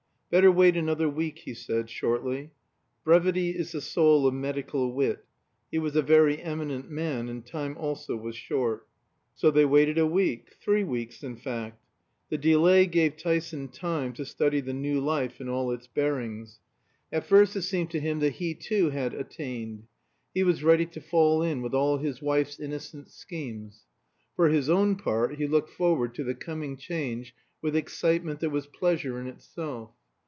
"Better wait another week," he said, shortly. Brevity is the soul of medical wit; he was a very eminent man, and time also was short. So they waited a week, three weeks in fact. The delay gave Tyson time to study the New Life in all its bearings. At first it seemed to him that he too had attained. He was ready to fall in with all his wife's innocent schemes. For his own part he looked forward to the coming change with excitement that was pleasure in itself.